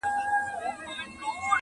چي له غمه یې ژړل مي تر سهاره٫